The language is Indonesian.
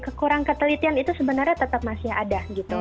kekurangan ketelitian itu sebenarnya tetap masih ada gitu